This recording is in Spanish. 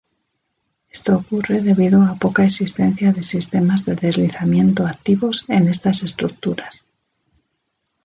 Esto ocurre debido a poca existencia de sistemas de deslizamiento activos en estas estructuras.